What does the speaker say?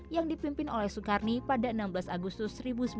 yang dipimpin oleh soekarno pada enam belas agustus seribu sembilan ratus empat puluh